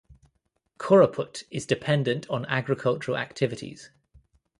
Koraput is dependent on agricultural activities.